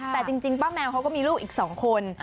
แต่จริงป้าแมวเขาก็มีลูกอีก๒คน